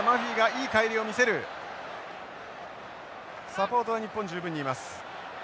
サポートは日本十分にいます。